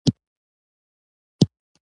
موبایل کې شخصي معلومات ساتل کېږي.